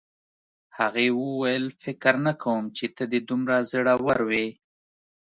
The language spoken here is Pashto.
هغې وویل فکر نه کوم چې ته دې دومره زړور وې